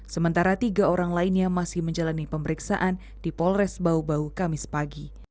sementara tiga orang lainnya masih menjalani pemeriksaan di polres bau bau kamis pagi